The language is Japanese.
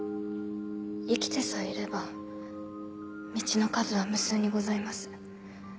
生きてさえいれば道の数は無数にございます。